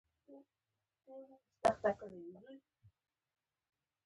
وسایل د ژوند د هوساینې لپاره جوړ شوي دي.